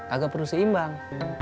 agak perlu seimbang